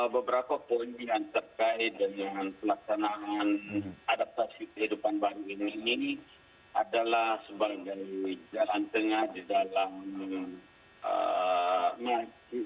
beberapa poin yang terkait dengan pelaksanaan adaptasi kehidupan baru ini adalah sebagai jalan tengah di dalam masjid